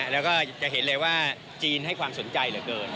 แล้วก็จะเห็นเลยว่าจีนให้ความสนใจเหลือเกิน